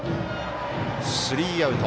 スリーアウト。